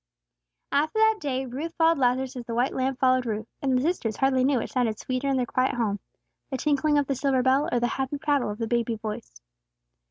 After that day Ruth followed Lazarus as the white lamb followed Ruth; and the sisters hardly knew which sounded sweeter in their quiet home, the tinkling of the silver bell, or the happy prattle of the baby voice.